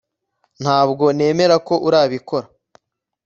Ntabwo nemera ko Urabikora